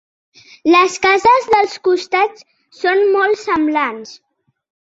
Les cases dels costats són molt semblants.